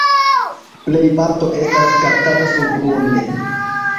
Plej parto estas kaptata surgrunde.